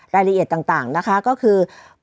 รายละเอียดต่างนะคะก็คือ